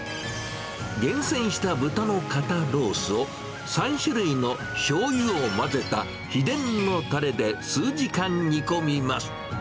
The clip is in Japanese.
厳選した豚の肩ロースを、３種類のしょうゆを混ぜた秘伝のたれで数時間煮込みます。